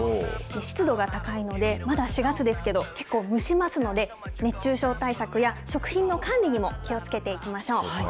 湿度が高いので、まだ４月ですけど、結構、蒸しますので、熱中症対策や、食品の管理にも気をつけていきましょう。